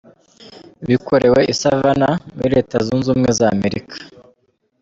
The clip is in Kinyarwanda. Bikorewe I Savannah muri Leta Zunze Ubumwe za Amerika,